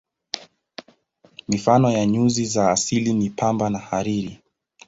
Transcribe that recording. Mifano ya nyuzi za asili ni pamba na hariri.